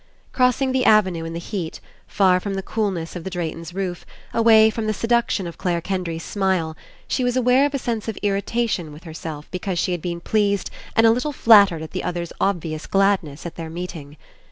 Crossing the avenue In the heat, far from the coolness of the Drayton's roof, away from the seduction of Clare Kendry's smile, she was aware of a sense of Irritation with her self because she had been pleased and a little flattered at the other's obvious gladness at their meeting.